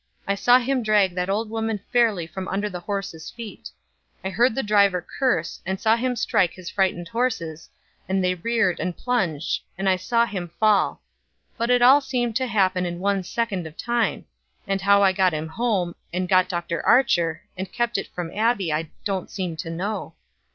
I saw him drag that old woman fairly from under the horses' feet. I heard the driver curse, and saw him strike his frightened horses, and they reared and plunged, and I saw him fall; but it all seemed to happen in one second of time and how I got him home, and got Dr. Archer, and kept it from Abbie, I don't seem to know.